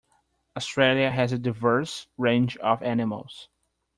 Australia has a diverse range of animals.